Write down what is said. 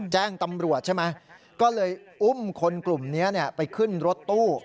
แจ้งตำรวจใช่ไหมก็เลยอุ้มคนกลุ่มนี้ไปขึ้นรถตู้